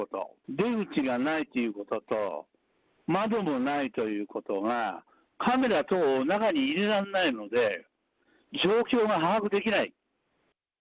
出口がないっていうことと、窓もないということが、カメラ等を中に入れられないので、状況が把握できない。